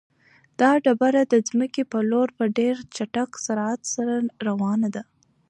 دا ډبره د ځمکې په لور په ډېر چټک سرعت سره روانه ده.